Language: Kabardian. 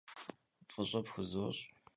F'ış'e pxuzoş'.